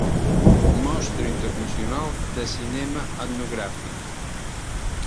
Mostra Internacional de Cinema Etnogràfic.